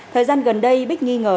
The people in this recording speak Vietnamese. thời gian gần đây bích nghi ngờ